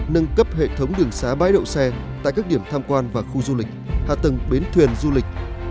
nâng cấp hệ thống đường xá bãi đậu xe tại các điểm tham quan và khu du lịch hạ tầng bến thuyền du lịch